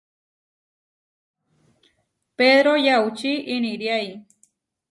Pedro yaučí iniriái.